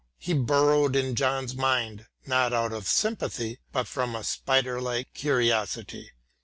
He burrowed in John's mind, not out of sympathy, but from a spider like curiosity.